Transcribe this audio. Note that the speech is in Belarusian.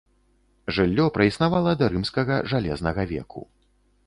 Жыллё праіснавала да рымскага жалезнага веку.